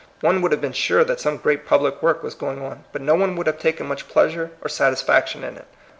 One would have been sure that some great public work was going on, but no one would have taken much pleasure or satisfaction in it.